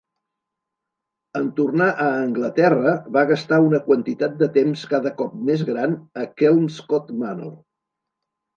En tornar a Anglaterra, va gastar una quantitat de temps cada cop més gran a Kelmscott Manor.